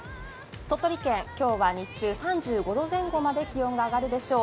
鳥取県、今日は日中、３５度前後まで気温が上がるでしょう。